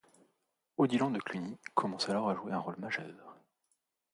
Odilon de Cluny commence alors à jouer un rôle majeur.